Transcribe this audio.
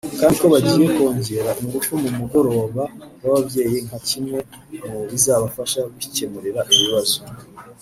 kandi ko bagiye kongera ingufu mu mugoroba w’ababyeyi nka kimwe mu bizabafasha kwikemurira ibibazo